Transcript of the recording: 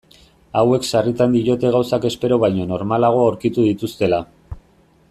Hauek sarritan diote gauzak espero baino normalago aurkitu dituztela.